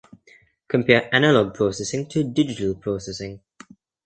Compare analogue processing to digital processing.